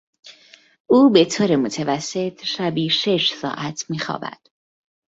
او به طور متوسط شبی شش ساعت میخوابد.